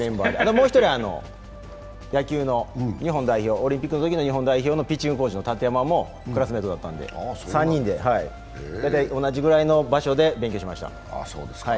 もう１人、野球の、オリンピックのときの日本代表のピッチングコーチの建山もクラスメートだったので３人、同じぐらいの場所で勉強しました。